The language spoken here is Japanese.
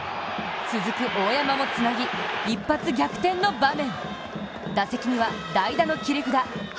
続く大山もつなぎ、一発逆転の場面。